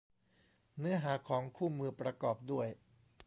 เนื้อหาของคู่มือประกอบด้วย